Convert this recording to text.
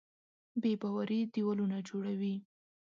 بېباوري دیوالونه جوړوي.